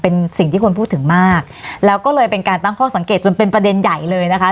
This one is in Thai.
เป็นสิ่งที่คนพูดถึงมากแล้วก็เลยเป็นการตั้งข้อสังเกตจนเป็นประเด็นใหญ่เลยนะคะ